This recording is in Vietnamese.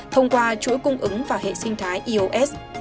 thông qua chuỗi cung ứng và hệ sinh thái ios